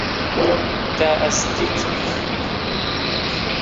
Te ez dîtim